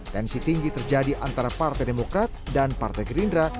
tensi tinggi terjadi antara partai demokrat dan partai gerindra